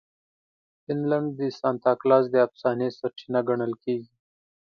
فنلنډ د سانتا کلاز د افسانې سرچینه ګڼل کیږي.